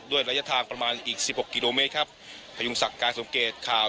ระยะทางประมาณอีกสิบหกกิโลเมตรครับพยุงศักดิ์การสมเกตข่าว